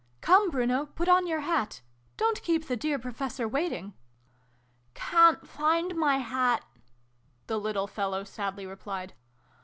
" Come, Bruno, put on your hat. Don't keep the dear Professor waiting!" "Can't find my hat!" the little fellow sadly replied.